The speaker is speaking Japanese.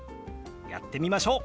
やってみましょう。